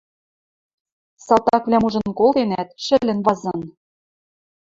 Салтаквлӓм ужын колтенӓт, шӹлӹн вазын.